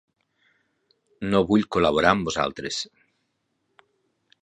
No vull col·laborar amb vosaltres.